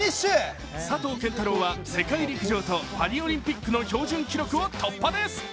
佐藤拳太郎は世界陸上とパリオリンピックの標準記録を突破です。